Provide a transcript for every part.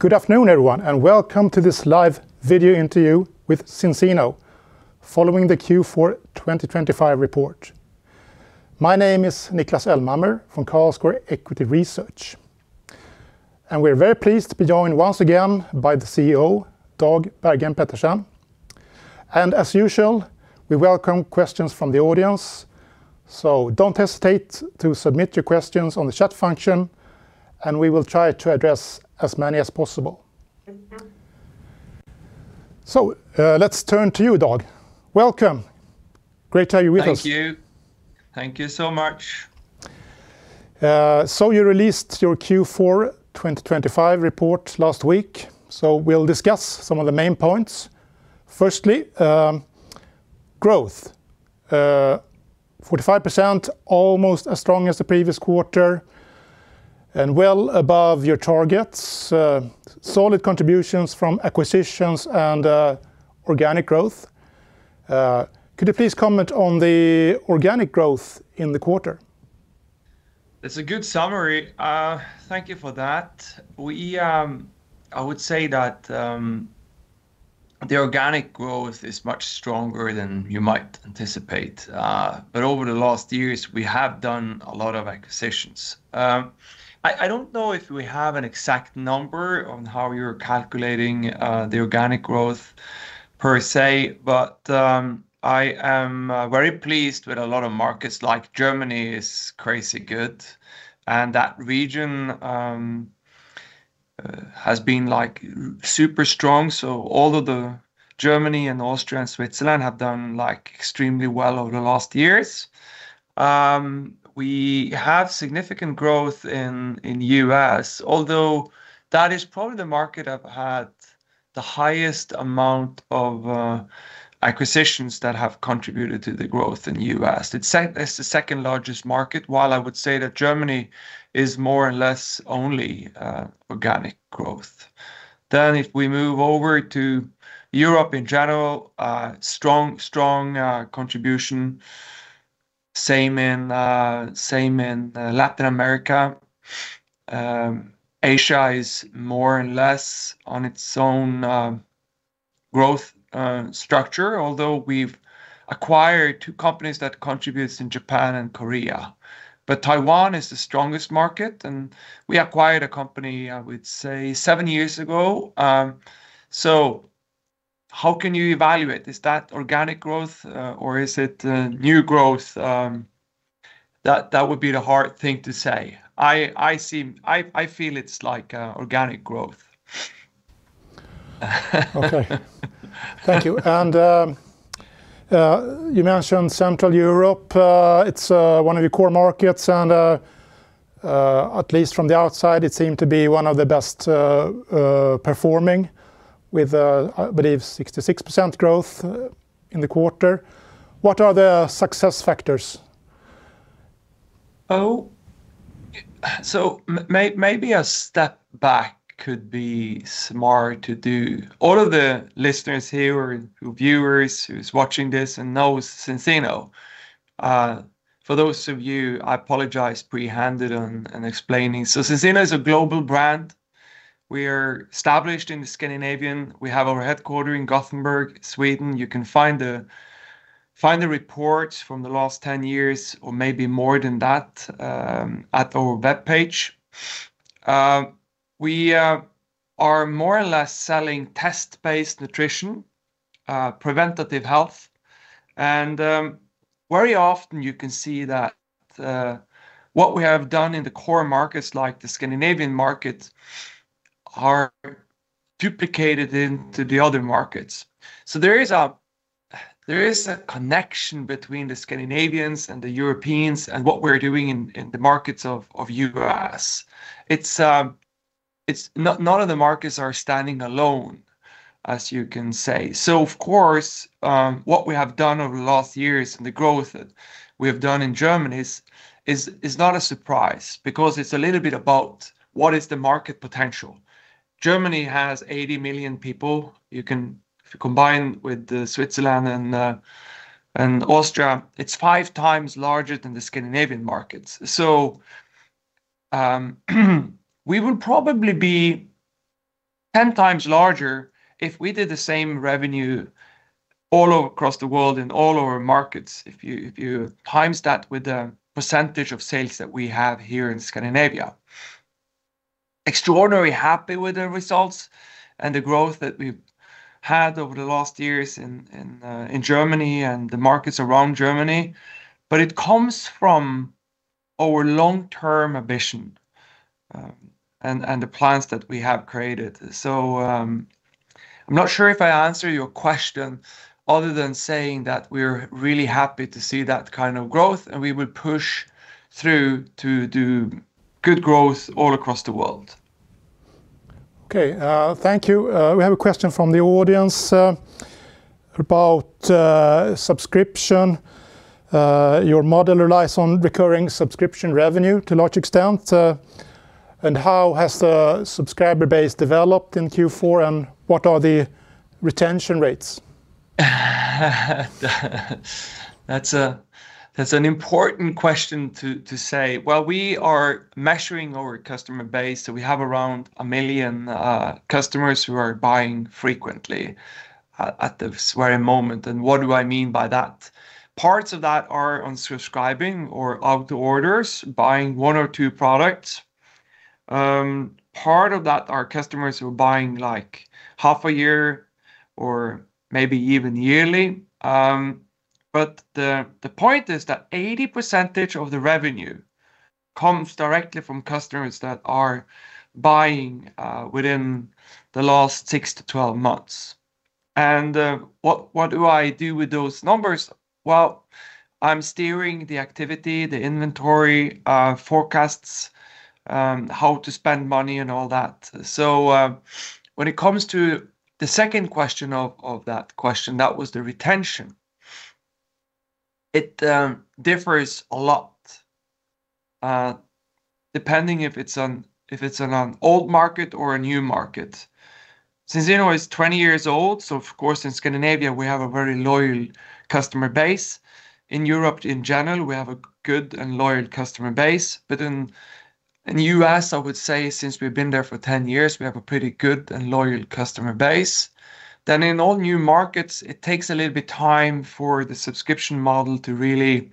Good afternoon, everyone. Welcome to this live video interview with Zinzino following the Q4 2025 report. My name is Niklas Elmhammer from Carlsquare Equity Research. We're very pleased to be joined once again by the CEO, Dag Bergheim Pettersen. As usual, we welcome questions from the audience. Don't hesitate to submit your questions on the chat function. We will try to address as many as possible. Let's turn to you, Dag. Welcome. Great to have you with us. Thank you. Thank you so much. You released your Q4 2025 report last week, so we'll discuss some of the main points. Firstly, growth. 45%, almost as strong as the previous quarter and well above your targets. Solid contributions from acquisitions and organic growth. Could you please comment on the organic growth in the quarter? It's a good summary. Thank you for that. I would say that the organic growth is much stronger than you might anticipate. Over the last years, we have done a lot of acquisitions. I don't know if we have an exact number on how you're calculating the organic growth per se, but I am very pleased with a lot of markets, like Germany is crazy good, and that region has been, like, super strong. All of the Germany and Austria and Switzerland have done, like, extremely well over the last years. We have significant growth in U.S., although that is probably the market I've had the highest amount of acquisitions that have contributed to the growth in the U.S. It's the second-largest market, while I would say that Germany is more or less only organic growth. If we move over to Europe in general, strong contribution. Same in Latin America. Asia is more or less on its own growth structure, although we've acquired two companies that contributes in Japan and Korea. Taiwan is the strongest market, and we acquired a company, I would say, seven years ago. How can you evaluate? Is that organic growth, or is it new growth? That would be the hard thing to say. I feel it's, like, organic growth. Okay. Thank you. You mentioned Central Europe. It's one of your core markets, and at least from the outside, it seemed to be one of the best performing with, I believe 66% growth in the quarter. What are the success factors? Oh, so maybe a step back could be smart to do. All of the listeners here or viewers who's watching this and knows Zinzino, for those of you, I apologize pre-handed on, in explaining. Zinzino is a global brand. We're established in the Scandinavian. We have our headquarter in Gothenburg, Sweden. You can find the reports from the last 10 years or maybe more than that, at our webpage. We are more or less selling test-based nutrition, preventative health, and very often you can see that what we have done in the core markets like the Scandinavian markets are duplicated into the other markets. There is a connection between the Scandinavians and the Europeans and what we're doing in the markets of U.S. None, none of the markets are standing alone, as you can say. Of course, what we have done over the last years and the growth that we have done in Germany is not a surprise because it's a little bit about what is the market potential. Germany has 80 million people. If you combine with Switzerland and Austria, it's 5x larger than the Scandinavian markets. We would probably be 10x larger if we did the same revenue all across the world in all our markets, if you times that with the percentage of sales that we have here in Scandinavia. Extraordinary happy with the results and the growth that we've had over the last years in Germany and the markets around Germany. It comes from our long-term ambition and the plans that we have created. I'm not sure if I answered your question other than saying that we're really happy to see that kind of growth, and we will push through to do good growth all across the world. Okay. Thank you. We have a question from the audience about subscription. Your model relies on recurring subscription revenue to a large extent. How has the subscriber base developed in Q4? What are the retention rates? That's an important question to say. We are measuring our customer base, so we have around 1 million customers who are buying frequently at this very moment. What do I mean by that? Parts of that are on subscribing or out to orders, buying one or two products. Part of that are customers who are buying, like, half a year or maybe even yearly. The point is that 80% of the revenue comes directly from customers that are buying within the last six to 12 months. What do I do with those numbers? I'm steering the activity, the inventory, forecasts, how to spend money and all that. When it comes to the second question of that question, that was the retention. It differs a lot, depending if it's on, if it's on an old market or a new market. Zinzino is 20 years old. Of course in Scandinavia we have a very loyal customer base. In Europe in general, we have a good and loyal customer base. In, in the U.S., I would say since we've been there for 10 years, we have a pretty good and loyal customer base. In all new markets, it takes a little bit time for the subscription model to really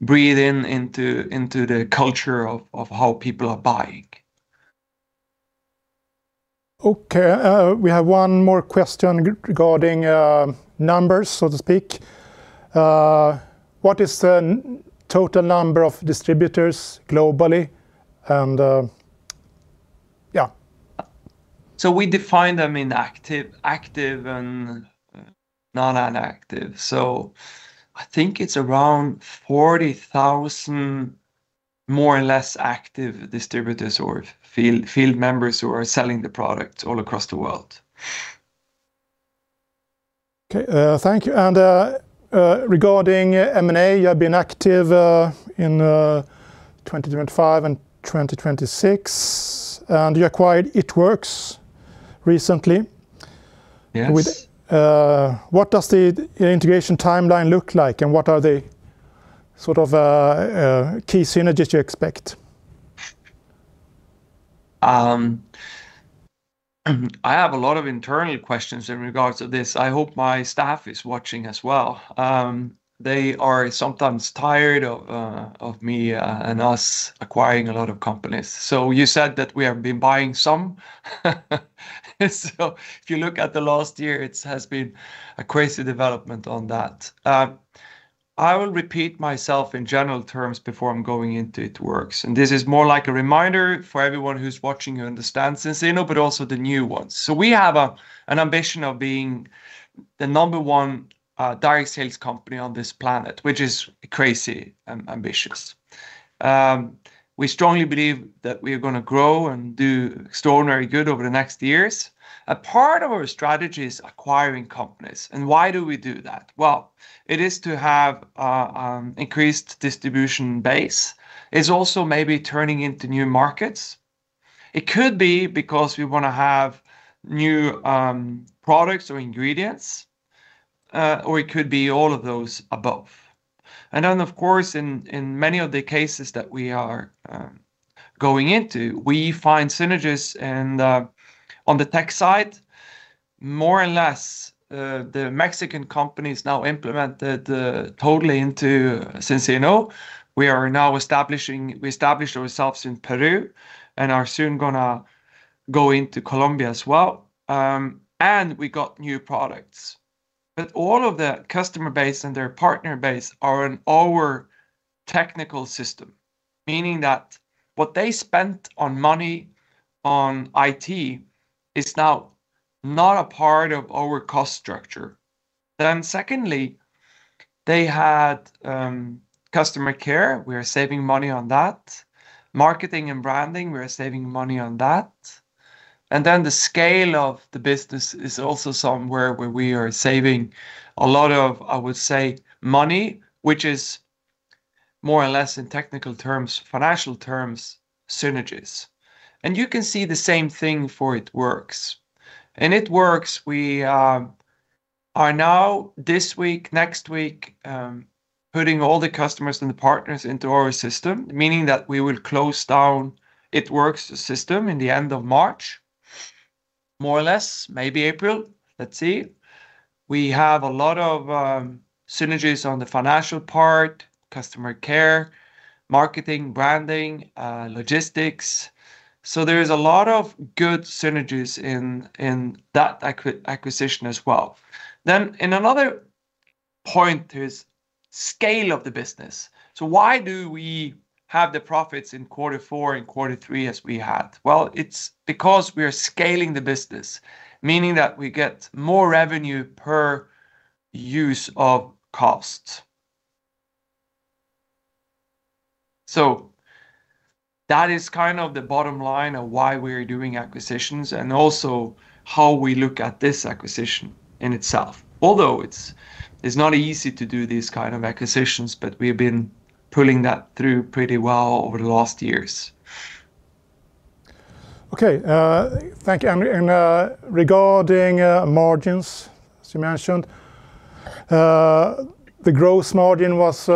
breathe in into the culture of how people are buying. Okay. We have one more question regarding numbers, so to speak. What is the total number of distributors globally? Yeah. We define them in active and non-inactive. I think it's around 40,000 more or less active distributors or field members who are selling the product all across the world. Okay. Thank you. Regarding M&A, you have been active in 2025 and 2026, and you acquired It Works! recently. Yes. With, what does the integration timeline look like, and what are the sort of, key synergies you expect? I have a lot of internal questions in regards to this. I hope my staff is watching as well. They are sometimes tired of me and us acquiring a lot of companies. You said that we have been buying some. If you look at the last year, it has been a crazy development on that. I will repeat myself in general terms before I'm going into It Works!, and this is more like a reminder for everyone who's watching who understands Zinzino, but also the new ones. We have an ambition of being the number one direct sales company on this planet, which is crazy ambitious. We strongly believe that we're gonna grow and do extraordinary good over the next years. A part of our strategy is acquiring companies, and why do we do that? Well, it is to have increased distribution base. It's also maybe turning into new markets. It could be because we wanna have new products or ingredients, or it could be all of those above. Of course, in many of the cases that we are going into, we find synergies in the, on the tech side, more or less, the Mexican companies now implemented totally into Zinzino. We established ourselves in Peru and are soon gonna go into Colombia as well, and we got new products. All of their customer base and their partner base are in our technical system, meaning that what they spent on money on IT is now not a part of our cost structure. Secondly, they had customer care. We are saving money on that. Marketing and branding, we are saving money on that. The scale of the business is also somewhere where we are saving a lot of, I would say, money, which is more or less in technical terms, financial terms, synergies. You can see the same thing for It Works!. In It Works!, we are now this week, next week, putting all the customers and the partners into our system, meaning that we will close down It Works!' system in the end of March, more or less, maybe April. Let's see. We have a lot of synergies on the financial part, customer care, marketing, branding, logistics. There is a lot of good synergies in that acquisition as well. In another point is scale of the business. Why do we have the profits in Q4 and Q3 as we had? Well, it's because we are scaling the business, meaning that we get more revenue per use of cost. That is kind of the bottom line of why we are doing acquisitions and also how we look at this acquisition in itself. Although it's not easy to do these kind of acquisitions, but we've been pulling that through pretty well over the last years. Okay, thank you. Regarding margins, as you mentioned, the gross margin was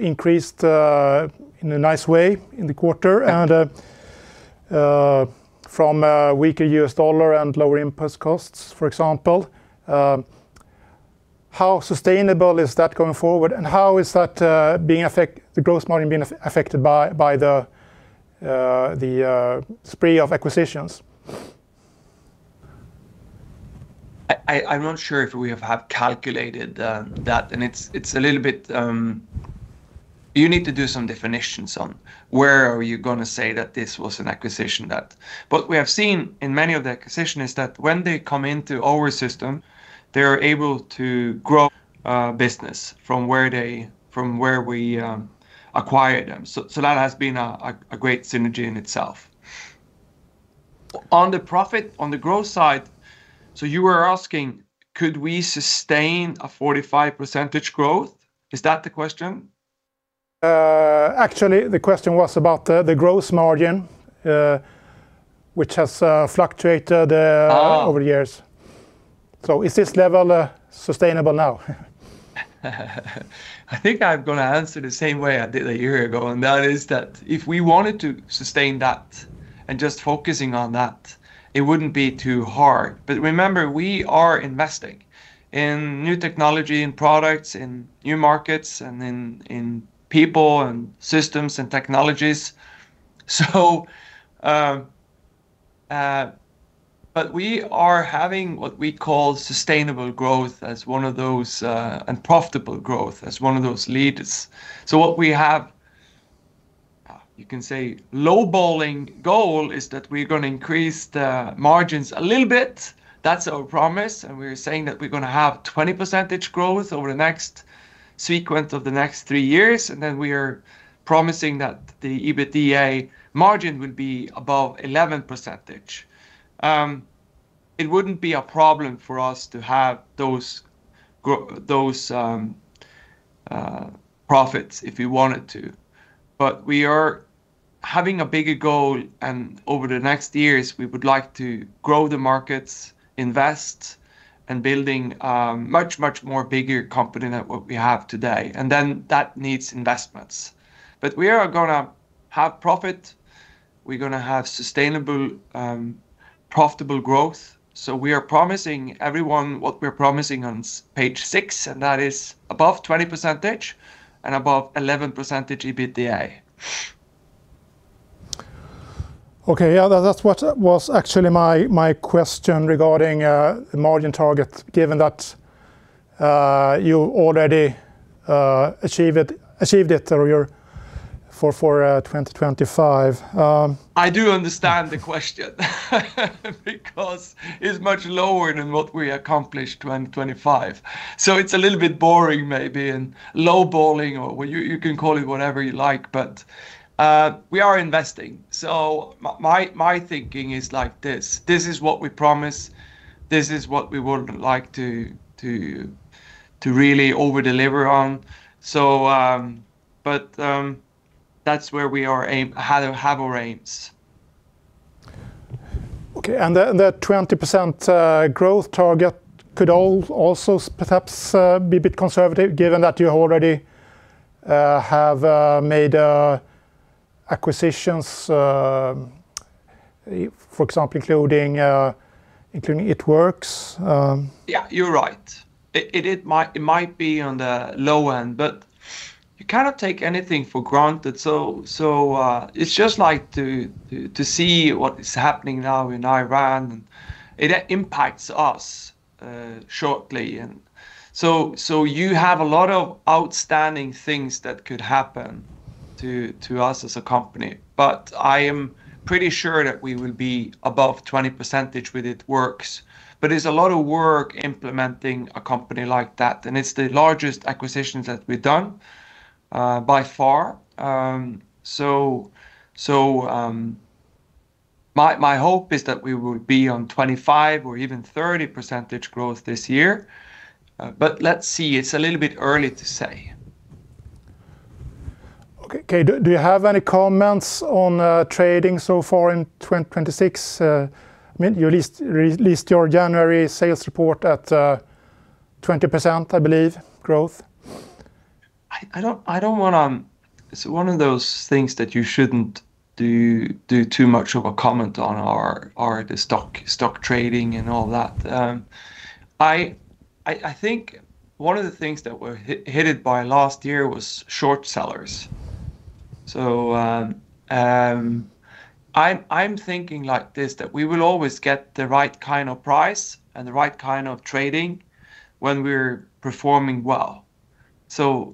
increased in a nice way in the quarter. Mm. From a weaker U.S. dollar and lower input costs, for example. How sustainable is that going forward, and how is that the growth margin being affected by the spree of acquisitions? I'm not sure if we have calculated that, and it's a little bit. You need to do some definitions on where are you gonna say that this was an acquisition that. We have seen in many of the acquisition is that when they come into our system, they're able to grow business from where they, from where we acquired them. That has been a great synergy in itself. On the profit, on the growth side, you were asking could we sustain a 45% growth? Is that the question? Actually, the question was about the growth margin, which has fluctuated. Ah. Over the years. Is this level sustainable now? I think I'm gonna answer the same way I did a year ago, and that is that if we wanted to sustain that and just focusing on that, it wouldn't be too hard. Remember, we are investing in new technology and products, in new markets and in people and systems and technologies. We are having what we call sustainable growth as one of those, and profitable growth as one of those leaders. What we have, you can say lowballing goal is that we're gonna increase the margins a little bit. That's our promise, and we're saying that we're gonna have 20% growth over the next sequence of the next three years, and then we are promising that the EBITDA margin will be above 11%. It wouldn't be a problem for us to have those profits if we wanted to. We are having a bigger goal, and over the next years we would like to grow the markets, invest, and building a much more bigger company than what we have today. That needs investments. We are gonna have profit. We're gonna have sustainable profitable growth, we are promising everyone what we're promising on page six, and that is above 20% and above 11% EBITDA. Okay. Yeah, that's what was actually my question regarding the margin target, given that you already achieved it through your... 2025. I do understand the question because it's much lower than what we accomplished 2025, so it's a little bit boring maybe and lowballing or you can call it whatever you like. We are investing, so my thinking is like this. This is what we promise. This is what we would like to really over-deliver on. That's where we are aim, have our aims. Okay. The 20% growth target could also perhaps be a bit conservative given that you already have made acquisitions for example, including It Works!. Yeah, you're right. It might be on the low end, you cannot take anything for granted. It's just like to see what is happening now in Iran, it impacts us shortly. You have a lot of outstanding things that could happen to us as a company, I am pretty sure that we will be above 20% with It Works!. It's a lot of work implementing a company like that, it's the largest acquisitions that we've done by far. My hope is that we will be on 25% or even 30% growth this year. Let's see. It's a little bit early to say. Okay. Okay, do you have any comments on trading so far in 2026? I mean, you released your January sales report at 20%, I believe, growth. I don't. It's one of those things that you shouldn't do too much of a comment on are the stock trading and all that. I think one of the things that we're hit by last year was short sellers. I'm thinking like this, that we will always get the right kind of price and the right kind of trading when we're performing well.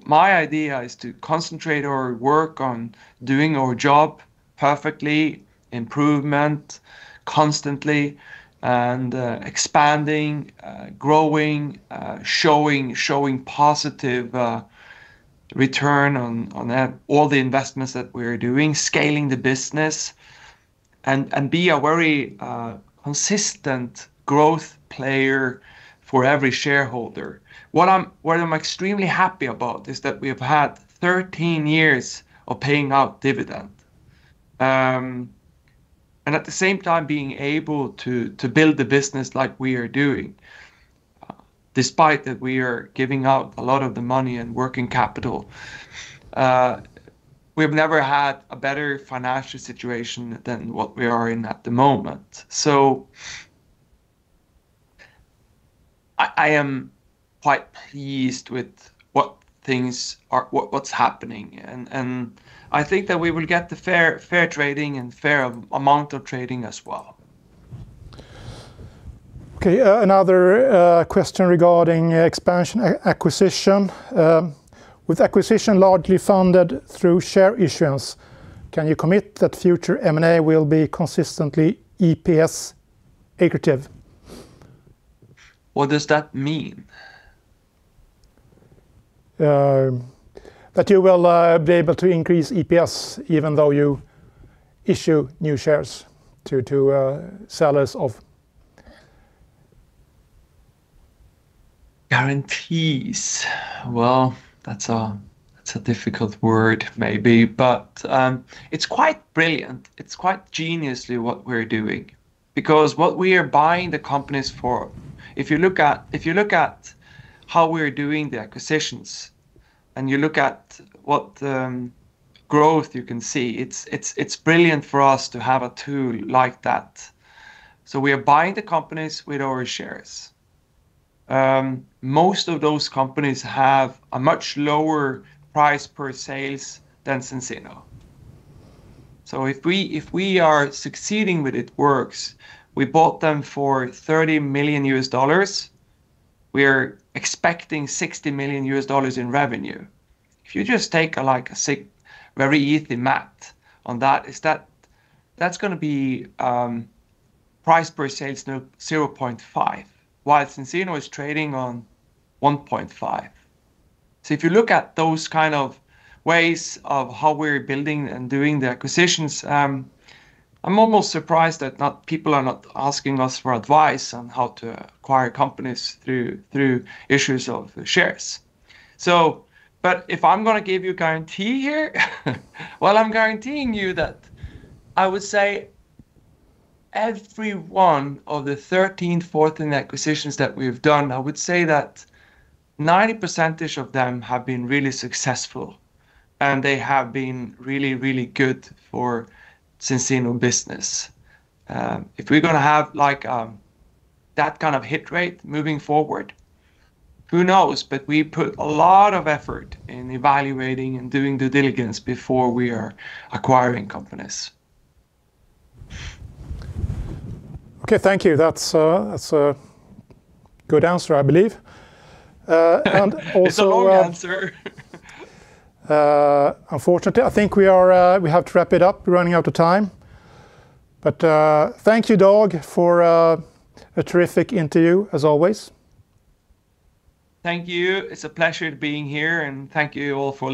My idea is to concentrate our work on doing our job perfectly, improvement constantly, and expanding, growing, showing positive return on that, all the investments that we're doing, scaling the business and be a very consistent growth player for every shareholder. What I'm extremely happy about is that we've had 13 years of paying out dividend, and at the same time being able to build the business like we are doing. Despite that we are giving out a lot of the money and working capital, we've never had a better financial situation than what we are in at the moment. I am quite pleased with what things are. What's happening. I think that we will get the fair trading and fair amount of trading as well. Okay. Another question regarding expansion acquisition. With acquisition largely funded through share issuance, can you commit that future M&A will be consistently EPS accretive? What does that mean? that you will be able to increase EPS even though you issue new shares to sellers. Guarantees. Well, that's a difficult word maybe. It's quite brilliant. It's quite geniusly what we're doing because what we are buying the companies for, if you look at, if you look at how we're doing the acquisitions and you look at what growth you can see, it's brilliant for us to have a tool like that. We are buying the companies with our shares. Most of those companies have a much lower price per sales than Zinzino. If we are succeeding with It Works!, we bought them for $30 million, we're expecting $60 million in revenue. If you just take, like, a very easy math on that, is that's gonna be price per sales, you know, 0.5, while Zinzino is trading on 1.5. If you look at those kind of ways of how we're building and doing the acquisitions, I'm almost surprised that people are not asking us for advice on how to acquire companies through issues of the shares. If I'm gonna give you a guarantee here, well, I'm guaranteeing you that I would say every one of the 13, 14 acquisitions that we've done, I would say that 90% of them have been really successful, and they have been really, really good for Zinzino business. If we're gonna have, like, that kind of hit rate moving forward, who knows? We put a lot of effort in evaluating and doing due diligence before we are acquiring companies. Okay. Thank you. That's a good answer, I believe. Also. It's a long answer. Unfortunately, I think we have to wrap it up. We're running out of time. Thank you, Dag, for a terrific interview, as always. Thank you. It's a pleasure being here, and thank you all for-